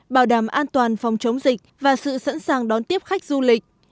bảo đảm an toàn phòng chống dịch và sự sẵn sàng đón tiếp khách du lịch